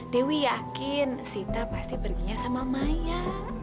dewi yakin sita pasti perginya sama maya